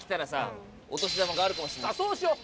そうしよう！